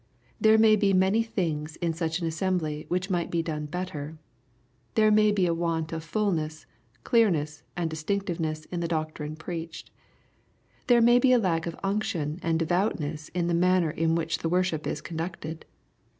There may be many things in such an assembly which might be done better. There may be a want of fulness, clearness, and distiDctness in the doctrine preached. There may be a lack of unction and devoutness in the manner in which the worship is conducted.